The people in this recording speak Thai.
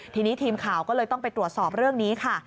ทีนี้ทีมข่าวก็เลยต้องไปตรวจสอบเรื่องนี้ค่ะ